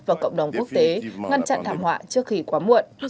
và cộng đồng quốc tế ngăn chặn thảm họa trước khi quá muộn